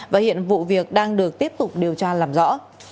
và hiện vụ việc đang được tiếp tục điều tra làm rõ